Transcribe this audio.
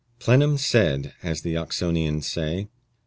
"Plenum sed," as the Oxonions say.